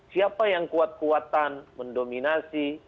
siapa yang kuat kuatan mendominasi